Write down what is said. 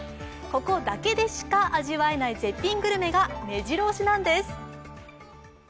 ここだけでしか味わえない絶品グルメがめじろ押しなんです。